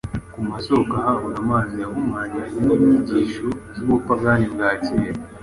ku masōko ahabwa amazi yahumanijwe n’inyigisho z’ubupagani bwa kera.